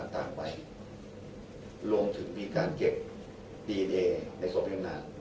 ต่างไว้รวมถึงมีการเก็บดีเดย์ในศพนิรนาม